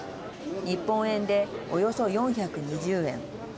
日本円で、およそ４２０円。